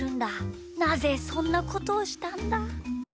なぜそんなことをしたんだ！？